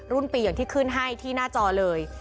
รุ่นปีอย่างที่ขึ้นให้ที่หน้าจอเลย